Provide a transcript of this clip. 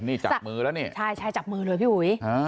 นี่จับมือแล้วนี่ใช่ใช่จับมือเลยพี่อุ๋ย